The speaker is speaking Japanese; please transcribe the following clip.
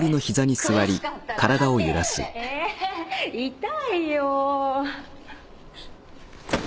痛いよ。